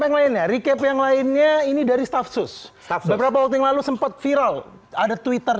bukan berikutnya yang lainnya ini dari stafsus beberapa waktu yang lalu sempat viral ada twitter